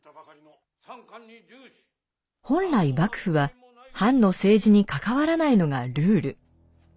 本来幕府は藩の政治に関わらないのがルール。